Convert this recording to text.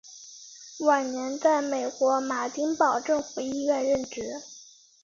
晚年在美国马丁堡政府医院任职。